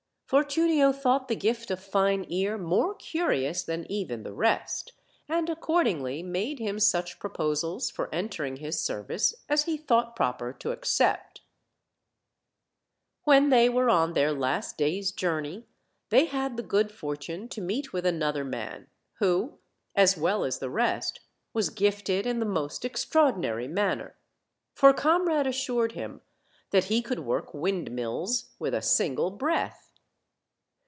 Fortunio thought the gift of Fine ear more curious than even the rest, and accordingly made him such pro posals for entering his serivce as he thought proper to accept. When they were on their last day's journey they had the good fortune to meet with another man, who, as well as the rest, was gifted in the most extraordinary manner; for Comrade assured him that he could work windmills with a single breath.